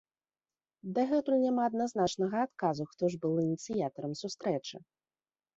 Дагэтуль няма адназначнага адказу, хто ж быў ініцыятарам сустрэчы.